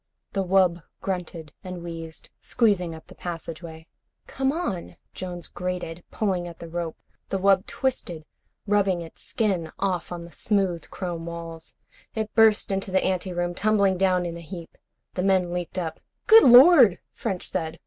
The wub grunted and wheezed, squeezing up the passageway. "Come on," Jones grated, pulling at the rope. The wub twisted, rubbing its skin off on the smooth chrome walls. It burst into the ante room, tumbling down in a heap. The men leaped up. "Good Lord," French said.